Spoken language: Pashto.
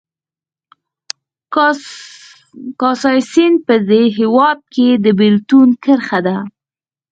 کاسای سیند په دې هېواد کې د بېلتون کرښه ده